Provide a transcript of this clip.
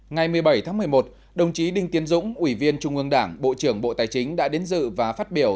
ngày một mươi bảy tháng một mươi một đồng chí đinh tiến dũng ủy viên trung ương đảng bộ trưởng bộ tài chính đã đến dự và phát biểu